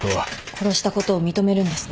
殺したことを認めるんですね？